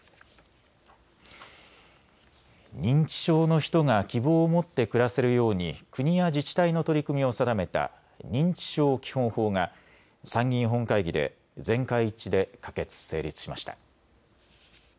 認知症の人が希望を持って暮らせるように国や自治体の取り組みを定めた認知症基本法が参議院本会議で全会一致で可決・成立しました。